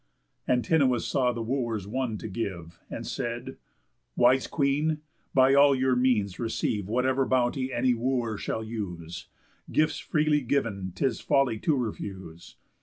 Antinous saw the Wooers won to give, And said: "Wise Queen, by all your means receive Whatever bounty any Wooer shall use. Gifts freely giv'n 'tis folly to refuse.